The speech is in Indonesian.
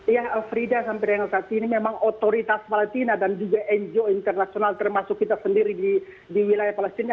ya frida sampai dengan saat ini memang otoritas palestina dan juga ngo internasional termasuk kita sendiri di wilayah palestina